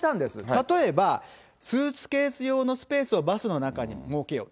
例えば、スーツケース用のスペースをバスの中に設けよう。